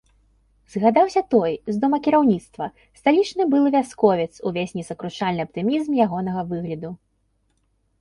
Згадаўся той, з домакіраўніцтва, сталічны былы вясковец, увесь несакрушальны аптымізм ягонага выгляду.